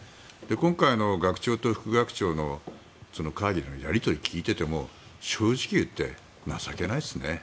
今回の学長と副学長の会議のやり取りを聞いていても正直言って情けないですね。